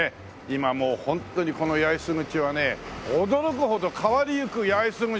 今もうホントにこの八重洲口はね驚くほど変わりゆく八重洲口という事で。